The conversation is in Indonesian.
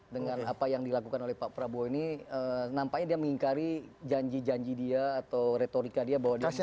dengan apa yang dilakukan oleh pak prabowo ini nampaknya dia mengingkari janji janji dia atau retorika dia bahwa dia